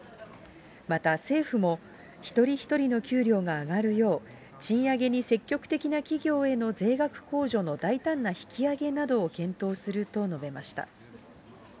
また、政府も、一人一人の給料が上がるよう、賃上げに積極的な企業への税額控除の大胆な引き上げなどを検討すると述べました。